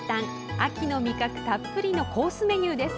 秋の味覚たっぷりのコースメニューです。